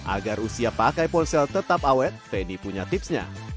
agar usia pakai ponsel tetap awet teddy punya tipsnya